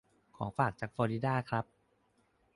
ของฝากจากฟลอริดาครับ